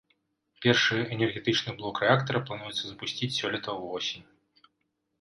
Першы энергетычны блок рэактара плануецца запусціць сёлета ўвосень.